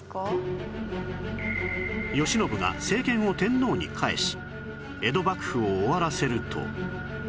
慶喜が政権を天皇に返し江戸幕府を終わらせると